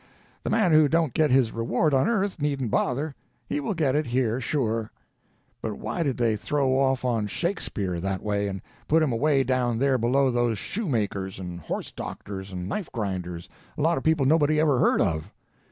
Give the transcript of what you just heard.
The man who don't get his reward on earth, needn't bother—he will get it here, sure." "But why did they throw off on Shakespeare, that way, and put him away down there below those shoe makers and horse doctors and knife grinders—a lot of people nobody ever heard of?"